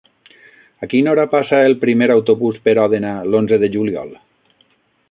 A quina hora passa el primer autobús per Òdena l'onze de juliol?